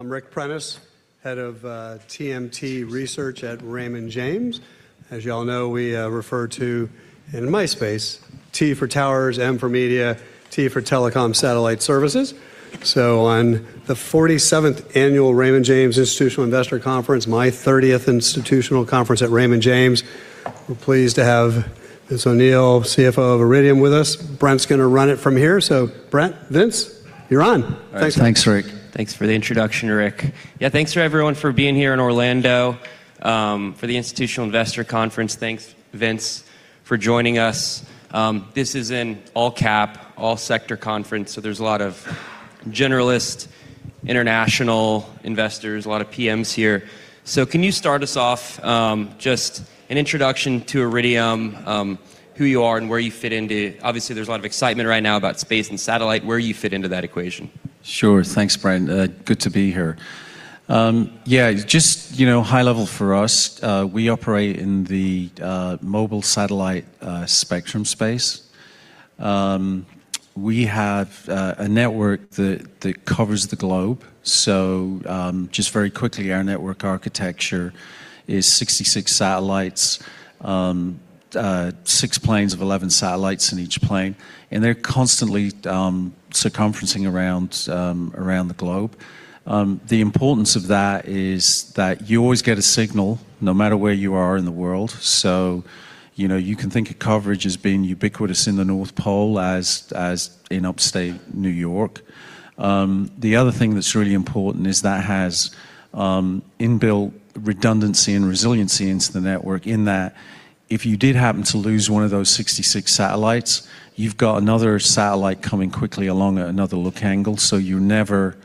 I'm Ric Prentiss, head of TMT Research at Raymond James. As you all know, we refer to, in my space, T for towers, M for media, T for telecom satellite services. On the 47th annual Raymond James Institutional Investors Conference, my 30th institutional conference at Raymond James, we're pleased to have Vince O'Neill, CFO of Iridium with us. Brent's gonna run it from here. Brent, Vince, you're on. All right. Thanks. Thanks, Ric. Thanks for the introduction, Ric. Thanks for everyone for being here in Orlando, for the Institutional Investor Conference. Thanks, Vince, for joining us. This is an all-cap, all-sector conference, so there's a lot of generalist, international investors, a lot of PMs here. Can you start us off, just an introduction to Iridium, who you are and where you fit into. Obviously, there's a lot of excitement right now about space and satellite, where you fit into that equation. Sure. Thanks, Brent. Good to be here. Yeah, just, you know, high level for us, we operate in the mobile satellite spectrum space. We have a network that covers the globe. Just very quickly, our network architecture is 66 satellites, six planes of 11 satellites in each plane, and they're constantly circumferencing around the globe. The importance of that is that you always get a signal no matter where you are in the world. You know, you can think of coverage as being ubiquitous in the North Pole as in Upstate New York. The other thing that's really important is that has inbuilt redundancy and resiliency into the network in that if you did happen to lose one of those 66 satellites, you've got another satellite coming quickly along at another look angle. You're never,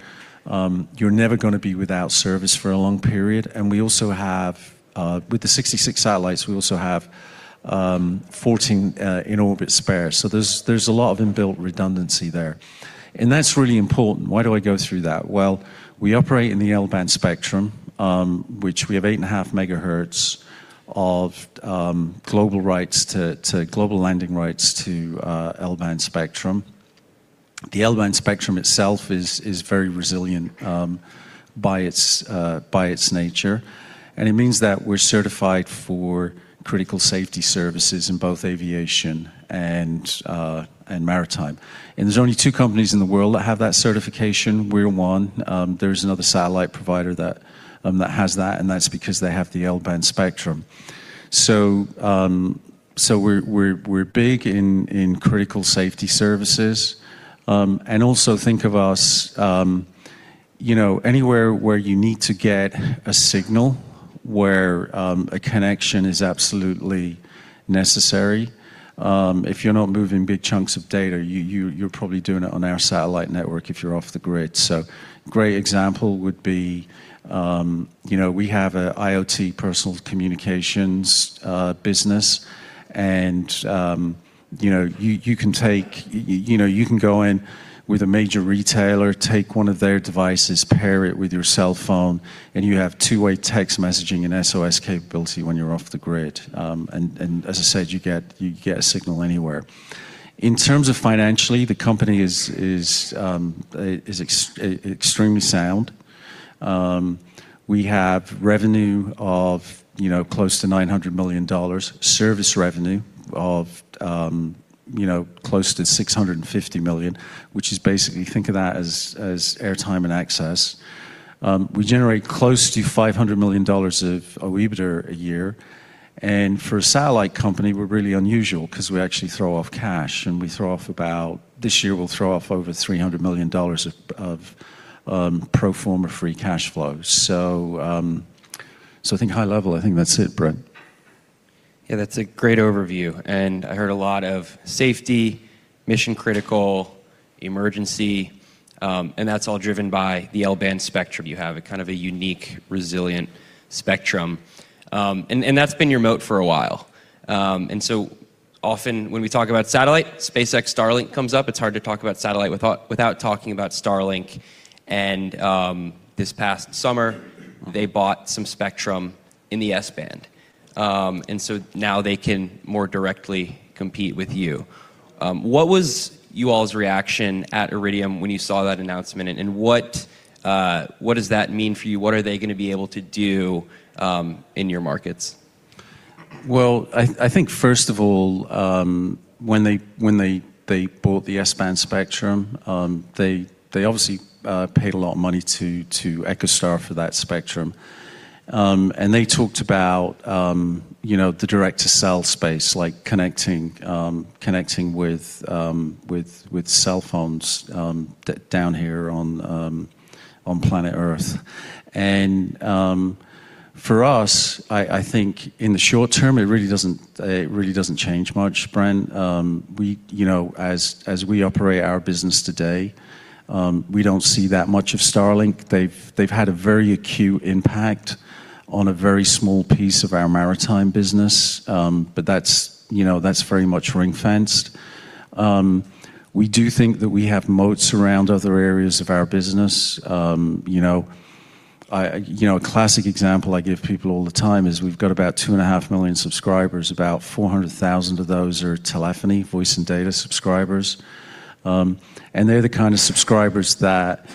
you're never gonna be without service for a long period. We also have, with the 66 satellites, we also have 14 in orbit spare. There's a lot of inbuilt redundancy there, and that's really important. Why do I go through that? We operate in the L-band spectrum, which we have 8.5 MHz of global rights to global landing rights to L-band spectrum. The L-band spectrum itself is very resilient by its nature, and it means that we're certified for critical safety services in both aviation and maritime. There's only two companies in the world that have that certification. We're one. There's another satellite provider that has that, and that's because they have the L-band spectrum. We're big in critical safety services. Also think of us, you know, anywhere where you need to get a signal where a connection is absolutely necessary. If you're not moving big chunks of data, you're probably doing it on our satellite network if you're off the grid. Great example would be, we have a IoT personal communications business and you can go in with a major retailer, take one of their devices, pair it with your cell phone, and you have two-way text messaging and SOS capability when you're off the grid. As I said, you get a signal anywhere. In terms of financially, the company is extremely sound. We have revenue of close to $900 million. Service revenue of close to $650 million, which is basically think of that as airtime and access. We generate close to $500 million of EBITDA a year. For a satellite company, we're really unusual 'cause we actually throw off cash, and we throw off This year, we'll throw off over $300 million of pro forma free cash flow. I think high level, I think that's it, Brent. Yeah, that's a great overview. I heard a lot of safety, mission-critical, emergency, and that's all driven by the L-band spectrum you have, a kind of a unique, resilient spectrum. That's been your moat for a while. Often when we talk about satellite, SpaceX Starlink comes up. It's hard to talk about satellite without talking about Starlink. This past summer, they bought some spectrum in the S-band. Now they can more directly compete with you. What was you all's reaction at Iridium when you saw that announcement? What does that mean for you? What are they gonna be able to do in your markets? Well, I think first of all, when they bought the S-band spectrum, they obviously paid a lot of money to EchoStar for that spectrum. They talked about, you know, the direct-to-cell space, like connecting with cell phones down here on planet Earth. For us, I think in the short term, it really doesn't change much, Brent. We, you know, as we operate our business today, we don't see that much of Starlink. They've had a very acute impact on a very small piece of our maritime business. That's, you know, that's very much ring-fenced. We do think that we have moats around other areas of our business. You know, I, you know, a classic example I give people all the time is we've got about 2.5 million subscribers. About 400,000 of those are telephony, voice, and data subscribers, and they're the kind of subscribers that,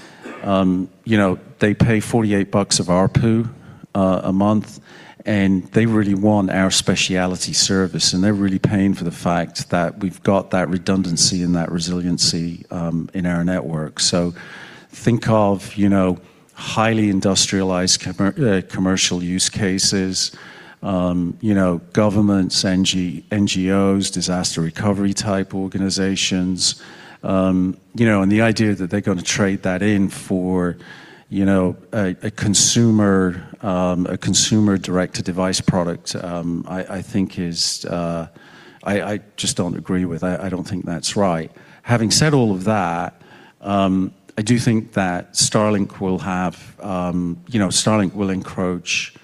you know, they pay $48 of ARPU a month, and they really want our specialty service, and they're really paying for the fact that we've got that redundancy and that resiliency in our network. Think of, you know, highly industrialized commercial use cases, you know, governments, NGOs, disaster recovery type organizations, you know, and the idea that they're gonna trade that in for, you know, a consumer, a consumer direct-to-device product, I think is, I just don't agree with. I don't think that's right. Having said all of that, I do think that Starlink will have, you know, Starlink will encroach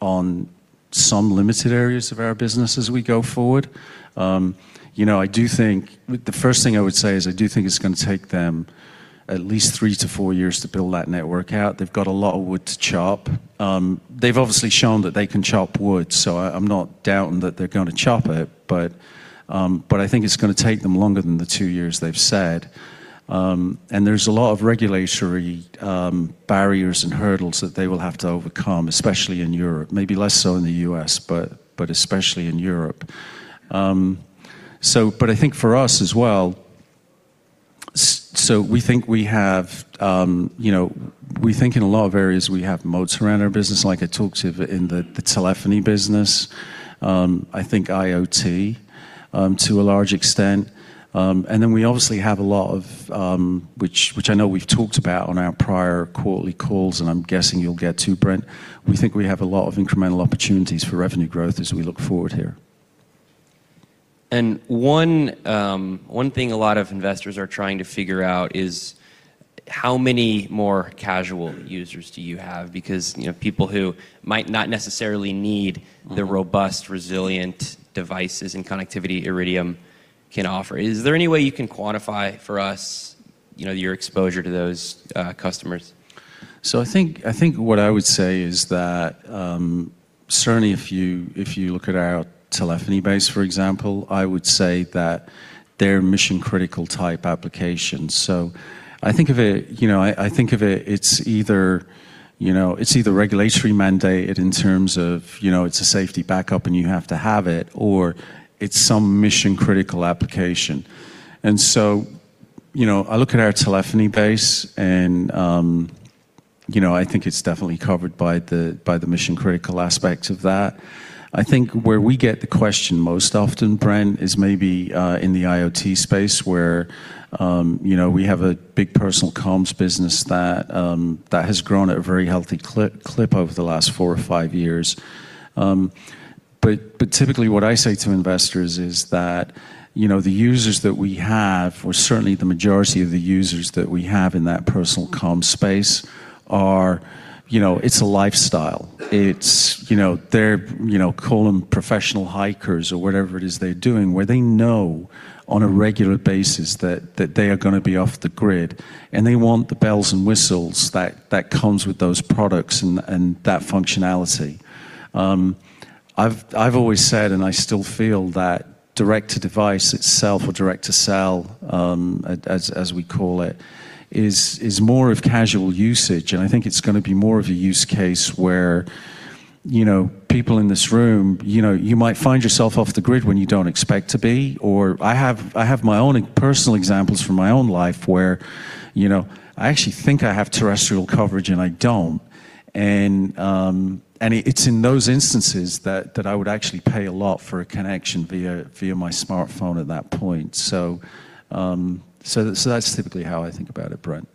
on some limited areas of our business as we go forward. You know, I do think the first thing I would say is I do think it's gonna take them at least three to four years to build that network out. They've got a lot of wood to chop. They've obviously shown that they can chop wood, so I'm not doubting that they're gonna chop it, but I think it's gonna take them longer than the two years they've said. There's a lot of regulatory barriers and hurdles that they will have to overcome, especially in Europe. Maybe less so in the U.S., but especially in Europe. I think for us as well so we think we have, you know, we think in a lot of areas we have moats around our business, like I talked to in the telephony business, I think IoT to a large extent. We obviously have a lot of, which I know we've talked about on our prior quarterly calls, and I'm guessing you'll get to, Brent. We think we have a lot of incremental opportunities for revenue growth as we look forward here. One thing a lot of investors are trying to figure out is how many more casual users do you have? You know, people who might not necessarily need. Mm-hmm. -the robust, resilient devices and connectivity Iridium can offer. Is there any way you can quantify for us, you know, your exposure to those customers? I think what I would say is that certainly if you look at our telephony base, for example, I would say that they're mission-critical type applications. I think of it, you know, I think of it's either, you know, regulatory mandated in terms of, you know, it's a safety backup and you have to have it, or it's some mission-critical application. I look at our telephony base and, you know, I think it's definitely covered by the mission-critical aspect of that. I think where we get the question most often, Brent, is maybe in the IoT space where, you know, we have a big personal comms business that has grown at a very healthy clip over the last four or five years. Typically what I say to investors is that, you know, the users that we have, or certainly the majority of the users that we have in that personal comms space are, you know, it's a lifestyle. It's, you know, they're, you know, call them professional hikers or whatever it is they're doing, where they know on a regular basis that they are gonna be off the grid, and they want the bells and whistles that comes with those products and that functionality. I've always said and I still feel that direct-to-device itself or direct-to-cell, as we call it, is more of casual usage, and I think it's gonna be more of a use case where, you know, people in this room, you know, you might find yourself off the grid when you don't expect to be, or I have my own personal examples from my own life where, you know, I actually think I have terrestrial coverage, and I don't. It's in those instances that I would actually pay a lot for a connection via my smartphone at that point. That's typically how I think about it, Brent.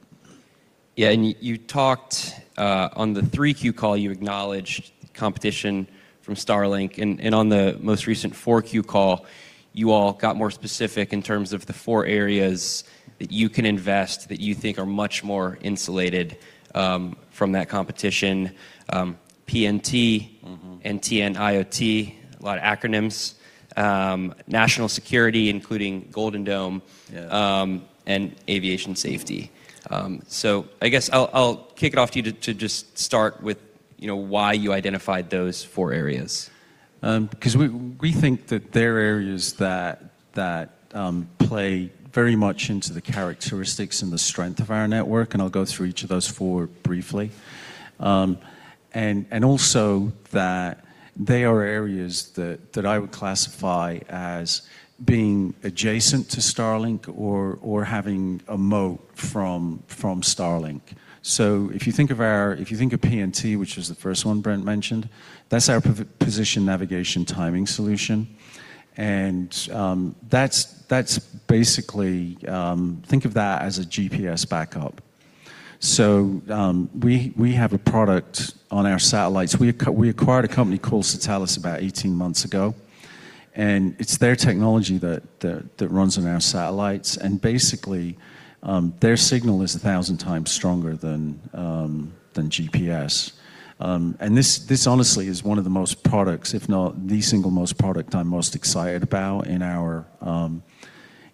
Yeah. You talked on the 3Q call, you acknowledged competition from Starlink. On the most recent 4Q call, you all got more specific in terms of the four areas that you can invest that you think are much more insulated from that competition. PNT Mm-hmm. NTN, IoT, a lot of acronyms. national security, including Golden Dome- Yeah. Aviation safety. I guess I'll kick it off to you to just start with, you know, why you identified those four areas. 'Cause we think that they're areas that play very much into the characteristics and the strength of our network, and I'll go through each of those four briefly. Also that they are areas that I would classify as being adjacent to Starlink or having a moat from Starlink. If you think of PNT, which is the first one Brent mentioned, that's our position, navigation, timing solution. That's basically think of that as a GPS backup. We have a product on our satellites. We acquired a company called Satelles about 18 months ago, and it's their technology that runs on our satellites. Basically, their signal is 1,000 times stronger than than GPS. This honestly is one of the most products, if not the single most product I'm most excited about in our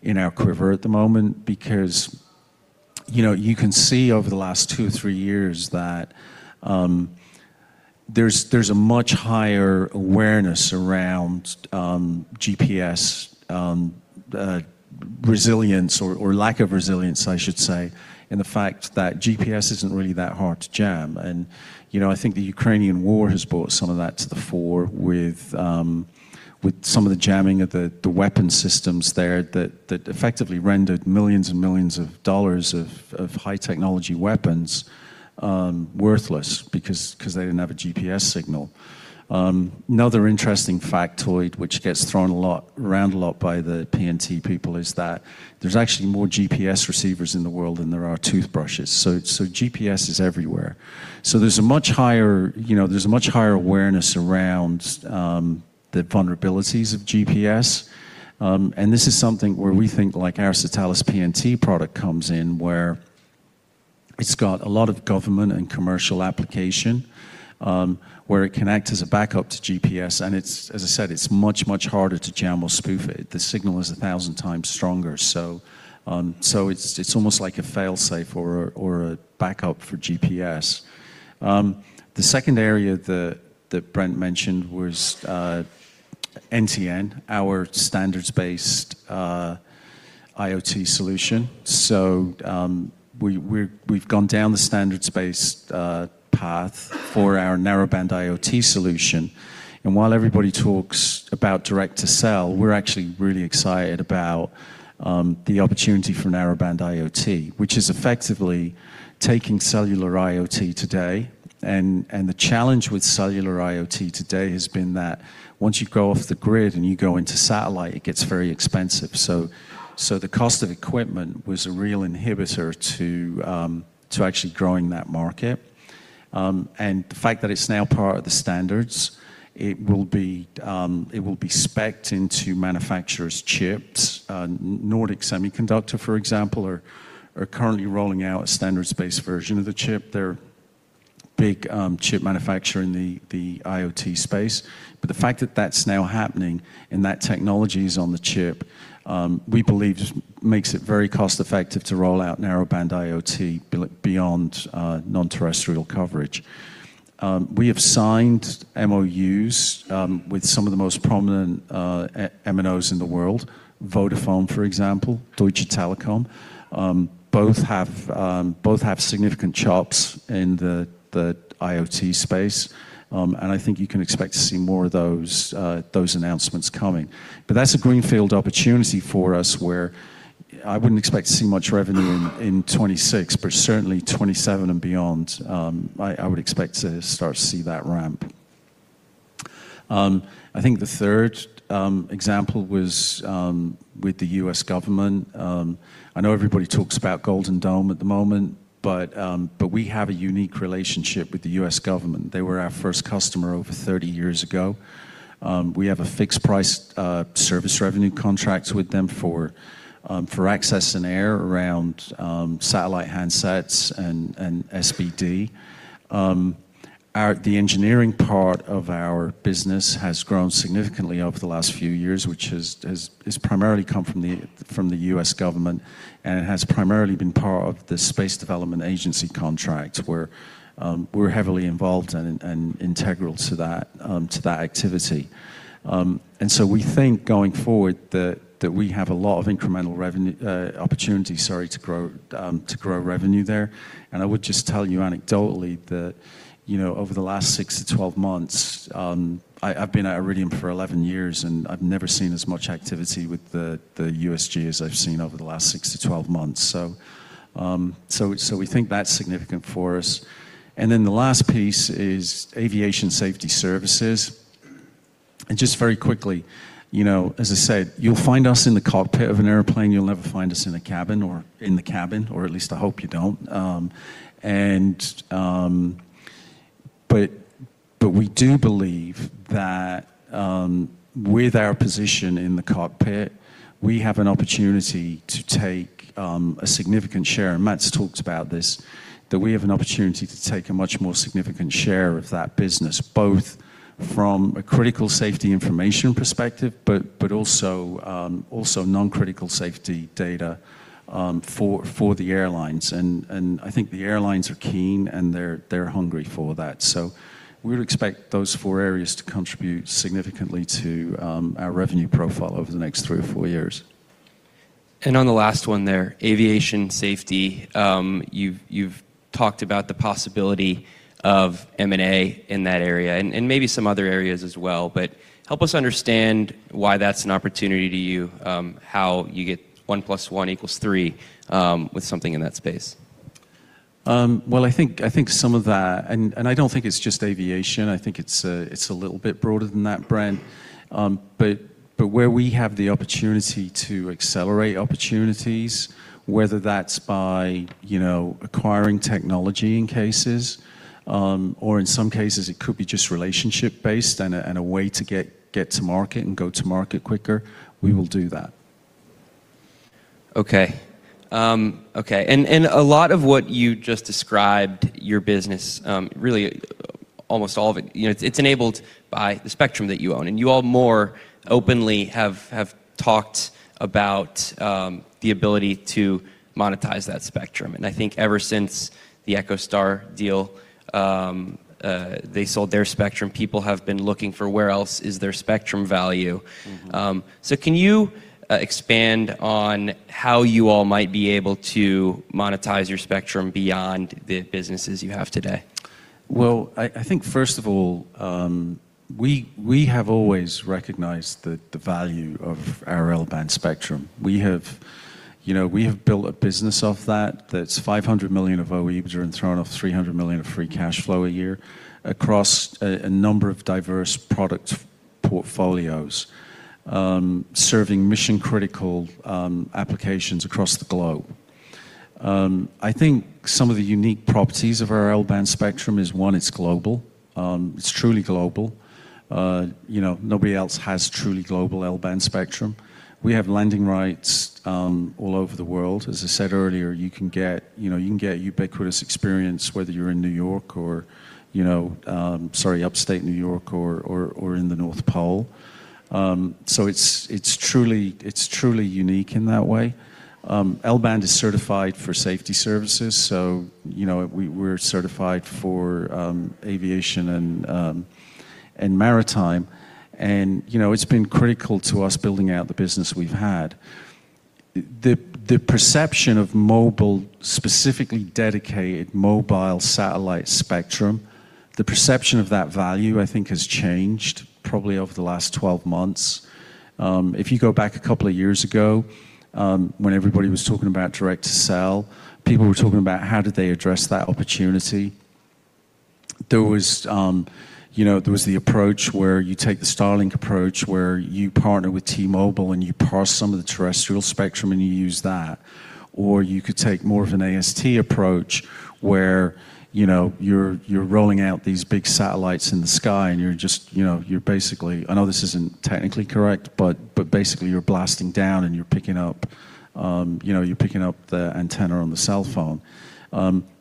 in our quiver at the moment because, you know, you can see over the last two, three years that there's a much higher awareness around GPS resilience or lack of resilience, I should say, in the fact that GPS isn't really that hard to jam. You know, I think the Ukrainian war has brought some of that to the fore with with some of the jamming of the weapon systems there that effectively rendered millions and millions of dollars of high technology weapons worthless because they didn't have a GPS signal. Another interesting factoid which gets thrown around a lot by the PNT people is that there's actually more GPS receivers in the world than there are toothbrushes. GPS is everywhere. There's a much higher, you know, there's a much higher awareness around the vulnerabilities of GPS. And this is something where we think like our Satelles PNT product comes in, where it's got a lot of government and commercial application, where it can act as a backup to GPS, and it's, as I said, it's much harder to jam or spoof it. The signal is 1,000 times stronger. It's almost like a fail-safe or a backup for GPS. The second area that Brent mentioned was NTN, our standards-based, IoT solution. We've gone down the standards-based path for our Narrowband-IoT solution. While everybody talks about direct-to-cell, we're actually really excited about the opportunity for Narrowband-IoT, which is effectively taking cellular IoT today and the challenge with cellular IoT today has been that once you go off the grid and you go into satellite, it gets very expensive. The cost of equipment was a real inhibitor to actually growing that market. The fact that it's now part of the standards, it will be specced into manufacturers' chips. Nordic Semiconductor, for example, are currently rolling out a standards-based version of the chip. They're big chip manufacturer in the IoT space. The fact that that's now happening and that technology is on the chip, we believe just makes it very cost-effective to roll out Narrowband-IoT beyond non-terrestrial coverage. We have signed MOUs with some of the most prominent MNOs in the world. Vodafone, for example, Deutsche Telekom, both have significant chops in the IoT space. I think you can expect to see more of those announcements coming. That's a greenfield opportunity for us where I wouldn't expect to see much revenue in 2026, but certainly 2027 and beyond, I would expect to start to see that ramp. I think the third example was with the U.S. Government. I know everybody talks about Golden Dome at the moment, but we have a unique relationship with the U.S. government. They were our first customer over 30 years ago. We have a fixed price service revenue contracts with them for access and air around satellite handsets and SBD. The engineering part of our business has grown significantly over the last few years, which is primarily come from the U.S. government, and it has primarily been part of the Space Development Agency contract, where we're heavily involved and integral to that activity. We think going forward that we have a lot of incremental opportunities, sorry, to grow revenue there. I would just tell you anecdotally that, you know, over the last six to 12 months, I've been at Iridium for 11 years, and I've never seen as much activity with the USG as I've seen over the last six to 12 months. We think that's significant for us. Then the last piece is aviation safety services. Just very quickly, you know, as I said, you'll find us in the cockpit of an airplane. You'll never find us in a cabin or in the cabin, or at least I hope you don't. We do believe that, with our position in the cockpit, we have an opportunity to take a significant share. Matt's talked about this, that we have an opportunity to take a much more significant share of that business, both from a critical safety information perspective, but also non-critical safety data, for the airlines. I think the airlines are keen, and they're hungry for that. We would expect those four areas to contribute significantly to, our revenue profile over the next three or four years. On the last one there, aviation safety, you've talked about the possibility of M&A in that area and maybe some other areas as well. Help us understand why that's an opportunity to you, how you get one plus one equals three, with something in that space. Well, I think some of that. I don't think it's just aviation. I think it's a little bit broader than that, Brent. Where we have the opportunity to accelerate opportunities, whether that's by, you know, acquiring technology in cases, or in some cases it could be just relationship based and a way to get to market and go to market quicker, we will do that. Okay. Okay. A lot of what you just described your business, really almost all of it, you know, it's enabled by the spectrum that you own, and you all more openly have talked about, the ability to monetize that spectrum. I think ever since the EchoStar deal, they sold their spectrum, people have been looking for where else is there spectrum value. Mm-hmm. Can you expand on how you all might be able to monetize your spectrum beyond the businesses you have today? Well, I think first of all, we have always recognized the value of our L-band spectrum. You know, we have built a business off that's $500 million of EBITDA thrown off $300 million of free cash flow a year across a number of diverse product portfolios, serving mission-critical applications across the globe. I think some of the unique properties of our L-band spectrum is, one, it's global. It's truly global. You know, nobody else has truly global L-band spectrum. We have landing rights all over the world. As I said earlier, you can get, you know, you can get ubiquitous experience, whether you're in New York or, you know, sorry, upstate New York or in the North Pole. It's truly unique in that way. L-band is certified for safety services, you know, we're certified for aviation and maritime, and, you know, it's been critical to us building out the business we've had. The perception of mobile, specifically dedicated mobile satellite spectrum, the perception of that value, I think, has changed probably over the last 12 months. If you go back a couple of years ago, when everybody was talking about direct-to-cell, people were talking about how did they address that opportunity. There was, you know, there was the approach where you take the Starlink approach, where you partner with T-Mobile and you parse some of the terrestrial spectrum, you use that. You could take more of an AST approach where, you know, you're rolling out these big satellites in the sky and you're just, you know, you're basically... I know this isn't technically correct, but basically you're blasting down and you're picking up, you know, you're picking up the antenna on the cell phone.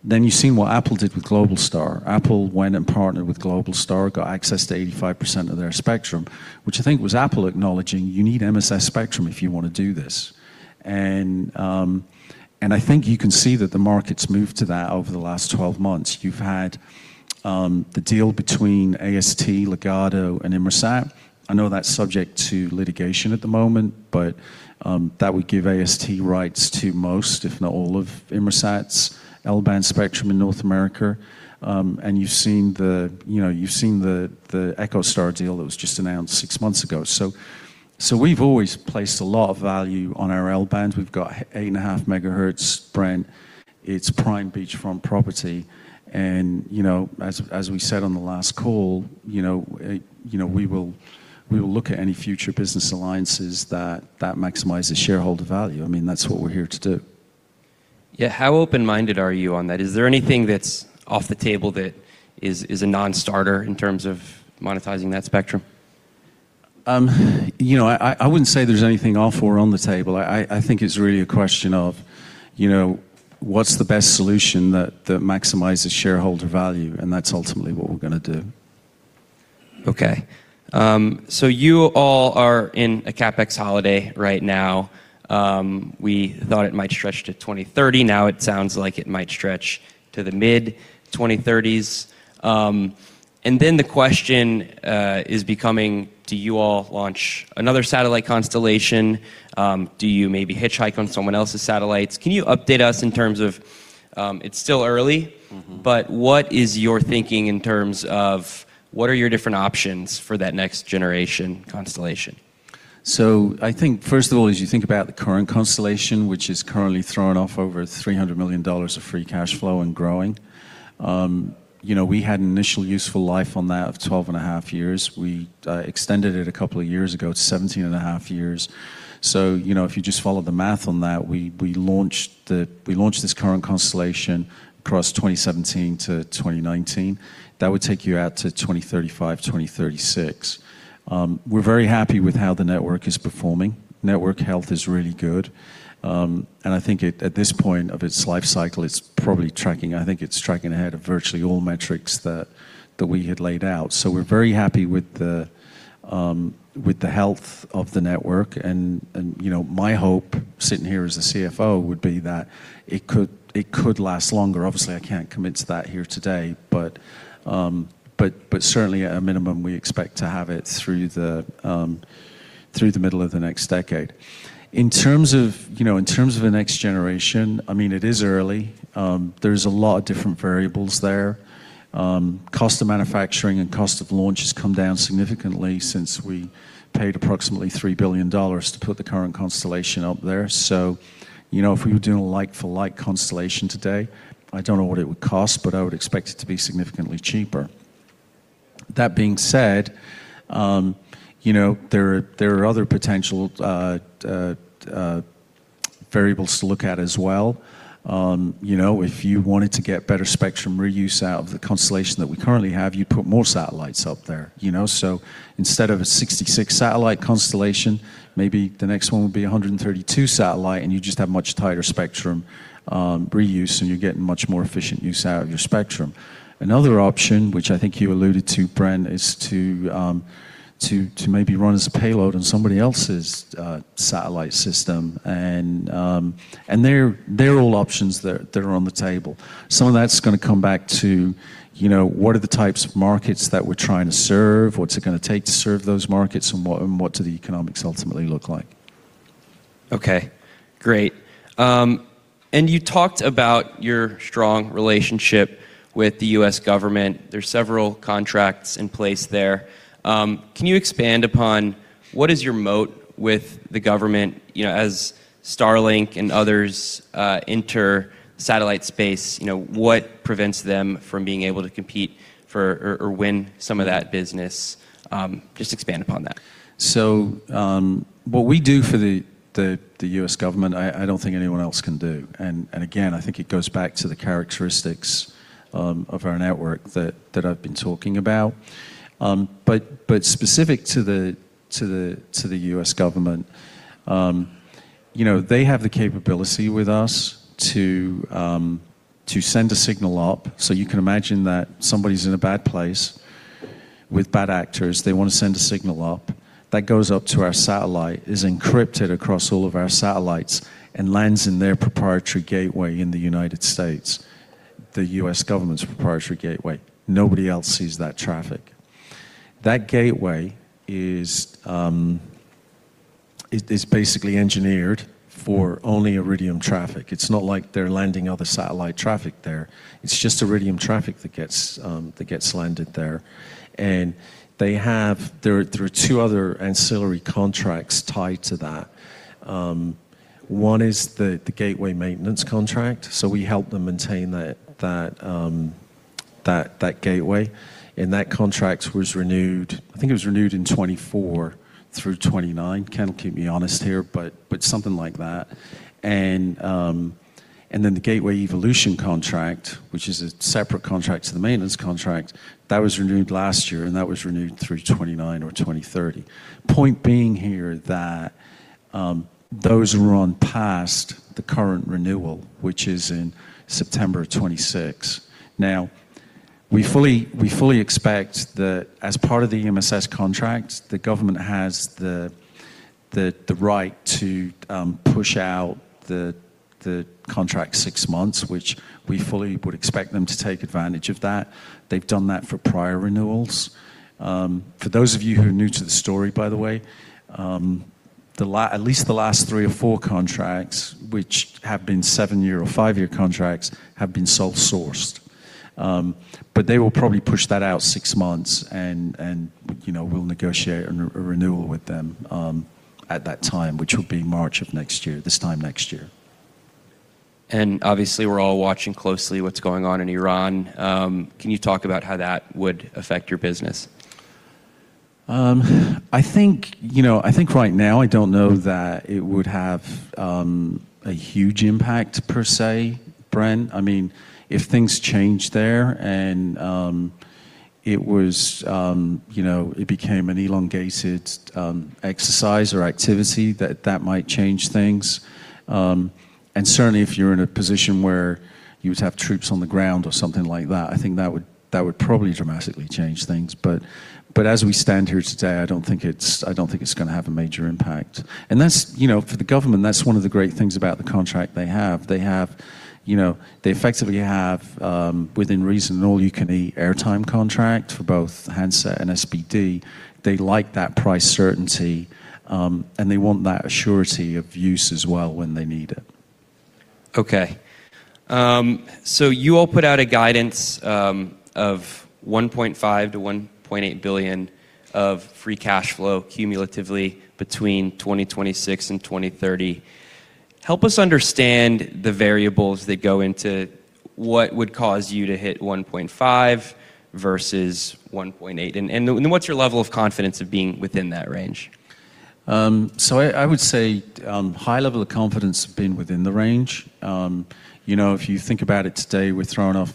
You've seen what Apple did with Globalstar. Apple went and partnered with Globalstar, got access to 85% of their spectrum, which I think was Apple acknowledging you need MSS spectrum if you wanna do this. I think you can see that the market's moved to that over the last 12 months. You've had the deal between AST, Ligado, and Inmarsat. I know that's subject to litigation at the moment, that would give AST rights to most, if not all of Inmarsat's L-band spectrum in North America. You've seen the, you know, you've seen the EchoStar deal that was just announced six months ago. We've always placed a lot of value on our L-band. We've got 8.5 MHz, Brent. It's prime beachfront property, you know, as we said on the last call, you know, we will look at any future business alliances that maximizes shareholder value. I mean, that's what we're here to do. Yeah. How open-minded are you on that? Is there anything that's off the table that is a non-starter in terms of monetizing that spectrum? You know, I wouldn't say there's anything off or on the table. I think it's really a question of, you know, what's the best solution that maximizes shareholder value. That's ultimately what we're gonna do. Okay. You all are in a CapEx holiday right now. We thought it might stretch to 2030. Now it sounds like it might stretch to the mid-2030s. The question is becoming, do you all launch another satellite constellation? Do you maybe hitchhike on someone else's satellites? Can you update us in terms of... It's still early- Mm-hmm... what is your thinking in terms of what are your different options for that next generation constellation? I think first of all, as you think about the current constellation, which is currently throwing off over $300 million of free cash flow and growing, you know, we had an initial useful life on that of 12 and a half years. We extended it a couple of years ago to 17 and a half years. you know, if you just follow the math on that, we launched this current constellation across 2017 to 2019. That would take you out to 2035, 2036. We're very happy with how the network is performing. Network health is really good. And I think at this point of its life cycle, it's probably tracking ahead of virtually all metrics that we had laid out. We're very happy with the health of the network and, you know, my hope sitting here as the CFO would be that it could last longer. Obviously, I can't commit to that here today, but certainly at a minimum, we expect to have it through the middle of the next decade. In terms of, you know, in terms of a next generation, I mean, it is early. There's a lot of different variables there. Cost of manufacturing and cost of launch has come down significantly since we paid approximately $3 billion to put the current constellation up there. You know, if we were doing a like for like constellation today, I don't know what it would cost, but I would expect it to be significantly cheaper. That being said, you know, there are other potential variables to look at as well. You know, if you wanted to get better spectrum reuse out of the constellation that we currently have, you'd put more satellites up there, you know? Instead of a 66 satellite constellation, maybe the next one would be a 132 satellite, and you just have much tighter spectrum reuse, and you're getting much more efficient use out of your spectrum. Another option, which I think you alluded to, Brent, is to maybe run as a payload on somebody else's satellite system. They're all options that are on the table. Some of that's gonna come back to, you know, what are the types of markets that we're trying to serve? What's it gonna take to serve those markets? What do the economics ultimately look like? Okay, great. You talked about your strong relationship with the U.S. government. There's several contracts in place there. Can you expand upon what is your moat with the government, you know, as Starlink and others, enter satellite space, you know, what prevents them from being able to compete for or win some of that business? Just expand upon that. What we do for the U.S. government, I don't think anyone else can do. Again, I think it goes back to the characteristics of our network that I've been talking about. Specific to the U.S. government, you know, they have the capability with us to send a signal up. You can imagine that somebody's in a bad place with bad actors. They wanna send a signal up. That goes up to our satellite, is encrypted across all of our satellites, and lands in their proprietary gateway in the United States, the U.S. government's proprietary gateway. Nobody else sees that traffic. That gateway is basically engineered for only Iridium traffic. It's not like they're landing other satellite traffic there. It's just Iridium traffic that gets landed there. There are two other ancillary contracts tied to that. One is the gateway maintenance contract. So we help them maintain that gateway. That contract was renewed, I think it was renewed in 2024 through 2029. Ken will keep me honest here, but something like that. Then the gateway evolution contract, which is a separate contract to the maintenance contract, that was renewed last year, and that was renewed through 2029 or 2030. Point being here that those run past the current renewal, which is in September of 2026. we fully expect that as part of the EMSS contract, the government has the right to push out the contract six months, which we fully would expect them to take advantage of that. They've done that for prior renewals. For those of you who are new to the story, by the way, at least the last three or four contracts, which have been seven-year or five-year contracts, have been sole-sourced. They will probably push that out six months and, you know, we'll negotiate a renewal with them at that time, which will be March of next year, this time next year. Obviously, we're all watching closely what's going on in Iran. Can you talk about how that would affect your business? I think right now, I don't know that it would have a huge impact per se, Brent. I mean, if things change there and it was, it became an elongated exercise or activity that might change things. Certainly if you're in a position where you would have troops on the ground or something like that, I think that would probably dramatically change things. As we stand here today, I don't think it's gonna have a major impact. That's for the government, that's one of the great things about the contract they have. They have, they effectively have within reason, an all-you-can-eat airtime contract for both handset and SBD. They like that price certainty, and they want that surety of use as well when they need it. Okay. You all put out a guidance of $1.5 billion-$1.8 billion of free cash flow cumulatively between 2026 and 2030. Help us understand the variables that go into what would cause you to hit $1.5 billion versus $1.8 billion? Then what's your level of confidence of being within that range? I would say, high level of confidence of being within the range. You know, if you think about it today, we're throwing off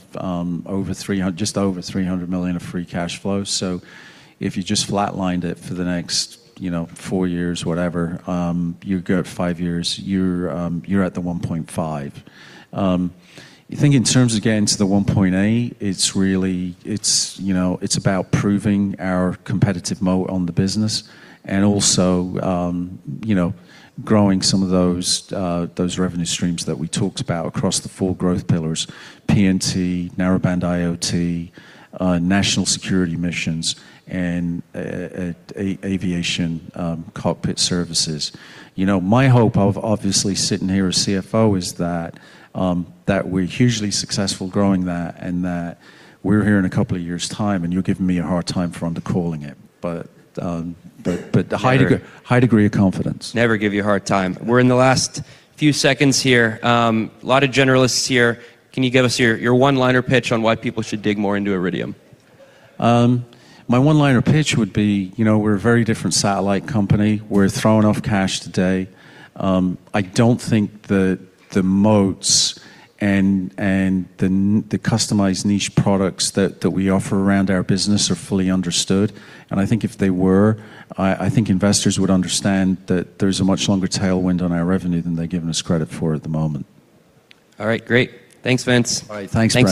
just over $300 million of free cash flow. If you just flatlined it for the next, you know, four years, whatever, you go five years, you're at the $1.5 billion. I think in terms of getting to the $1.8 billion, it's really, you know, it's about proving our competitive moat on the business and also, you know, growing some of those revenue streams that we talked about across the four growth pillars: PNT, narrowband IoT, national security missions, and aviation cockpit services. You know, my hope of obviously sitting here as CFO is that we're hugely successful growing that and that we're here in a couple of years' time and you're giving me a hard time for undercalling it. But a high degree of confidence. Never give you a hard time. We're in the last few seconds here. A lot of generalists here. Can you give us your one-liner pitch on why people should dig more into Iridium? My one-liner pitch would be, you know, we're a very different satellite company. We're throwing off cash today. I don't think the moats and the customized niche products that we offer around our business are fully understood. I think if they were, I think investors would understand that there's a much longer tailwind on our revenue than they're giving us credit for at the moment. All right, great. Thanks, Vince. All right. Thanks, Brent.